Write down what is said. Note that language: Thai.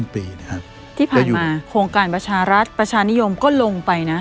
ที่ผ่านมาโครงการประชารัฐประชานิยมก็ลงไปนะ